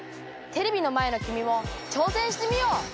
テレビの前のきみも挑戦してみよう！